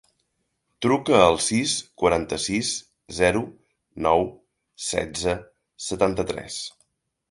Truca al sis, quaranta-sis, zero, nou, setze, setanta-tres.